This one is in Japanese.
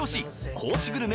高知グルメ